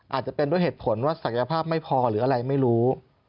อาจจะเป็นด้วยเหตุผลว่าศักยภาพไม่พอหรืออะไรไม่รู้